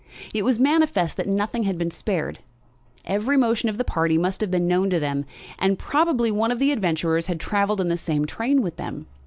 It was manifest that nothing had been spared. Every motion of the party must have been known to them, and probably one of the adventurers had travelled in the same train with them.